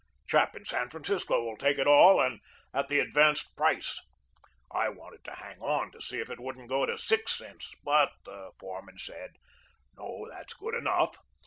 Chap in San Francisco will take it all and at the advanced price. I wanted to hang on, to see if it wouldn't go to six cents, but the foreman said, 'No, that's good enough.'